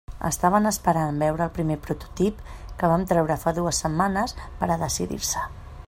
Estaven esperant veure el primer prototip, que vam treure fa dues setmanes, per a decidir-se.